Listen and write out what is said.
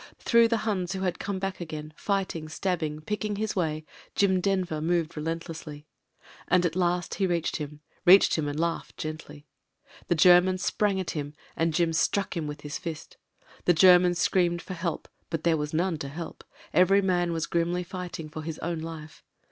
Through the Huns who had come back again, fighting, stabbing, picking his way, Jim Denver moved relentlessly. And at last he reached him — ^reached him and laughed gently. The Cjennan sprang at him and Jim struck him with his fist; tbe German screamed for help, but there was none to help; every man was fighting grimly for his own life.